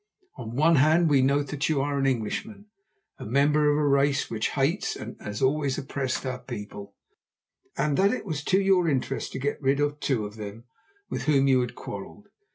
On the one hand we note that you are an Englishman, a member of a race which hates and has always oppressed our people, and that it was to your interest to get rid of two of them with whom you had quarrelled.